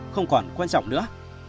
không còn quan trọng nữa